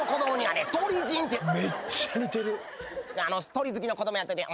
鳥好きの子供やっといて。